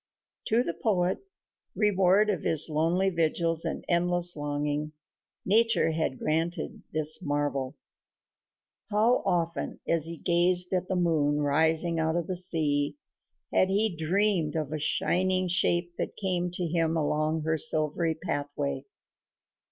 To the poet, reward of his lonely vigils and endless longing, nature had granted this marvel. How often, as he had gazed at the moon rising out of the sea, had he dreamed of a shining shape that came to him along her silver pathway.